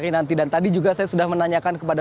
nanti dan tadi juga saya sudah menanyakan kepada